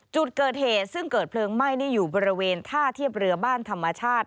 จุดเกิดเหตุซึ่งเกิดเพลิงไหม้นี่อยู่บริเวณท่าเทียบเรือบ้านธรรมชาติ